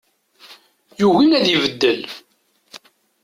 Yugi ad ibeddel.